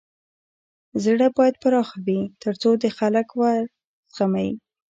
زړه بايد پراخه وي تر څو د خلک و زغمی.